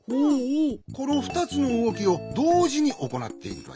このふたつのうごきをどうじにおこなっているのじゃ。